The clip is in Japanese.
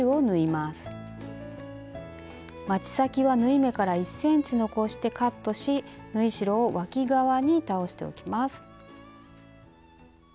まち先は縫い目から１ｃｍ残してカットし縫い代をわき側に倒しておきます。